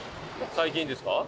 最近ですか？